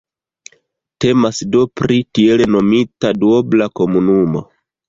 Temas do pri tiel nomita duobla komunumo.